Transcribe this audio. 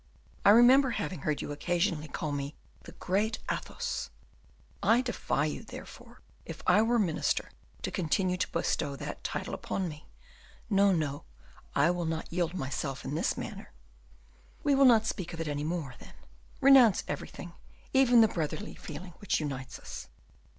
I remember having heard you occasionally call me 'the great Athos'; I defy you, therefore, if I were minister, to continue to bestow that title upon me. No, no; I do not yield myself in this manner." "We will not speak of it any more, then; renounce everything, even the brotherly feeling which unites us."